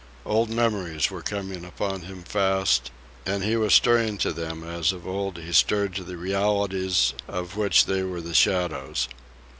Old memories were coming upon him fast, and he was stirring to them as of old he stirred to the realities of which they were the shadows.